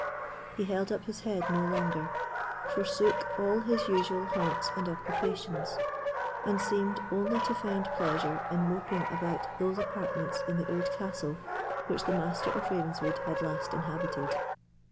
He held up his head no longer, forsook all his usual haunts and occupations, and seemed only to find pleasure in moping about those apartments in the old castle which the Master of Ravenswood had last inhabited.